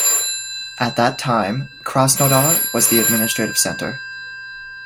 At that time, Krasnodar was the administrative center.